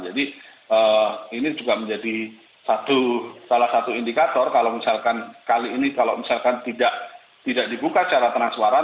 jadi ini juga menjadi salah satu indikator kalau misalkan kali ini kalau misalkan tidak dibuka secara transparan